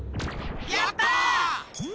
やった！